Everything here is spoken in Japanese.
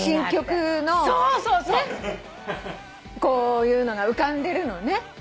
こういうのが浮かんでるのね。